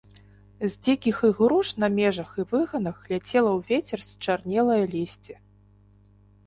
З дзікіх ігруш на межах і выганах ляцела ў вецер счарнелае лісце.